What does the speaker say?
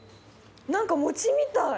何か餅みたい。